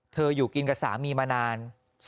อยู่กินกับสามีมานาน